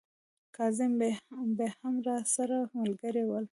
کاظم بې هم راسره ملګري ول.